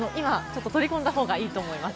取り込んだ方がいいと思います。